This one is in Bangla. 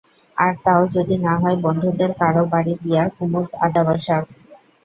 আর তাও যদি না হয় বন্ধুদের কারো বাড়ি গিয়া কুমুদ আড্ডা বসাক।